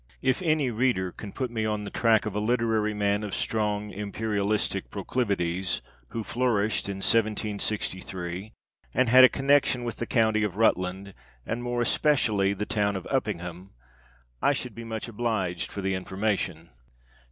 If any reader can put me on the track of a literary man of strong imperialistic proclivities, who flourished in 1763, and had a connection with the county of Rutland, and more especially the town of Uppingham, I should be much obliged for the information.